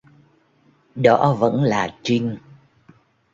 Đó vẫn là trinh